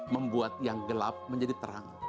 membuat yang gelap menjadi terang